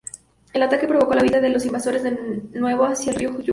El ataque provocó la huida de los invasores de nuevo hacia el río Jura.